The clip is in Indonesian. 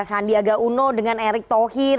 sandiaga uno dengan erick thohir